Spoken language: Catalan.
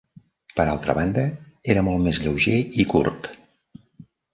Per altra banda, era molt més lleuger i curt.